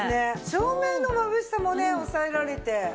照明のまぶしさもね抑えられて。